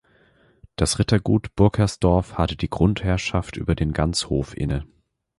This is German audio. Das Rittergut Burkersdorf hatte die Grundherrschaft über den Ganzhof inne.